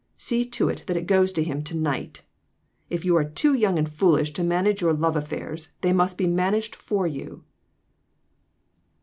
See to it that it goes to him to night. If you are too young and foolish to manage your love affairs, they must be managed for you."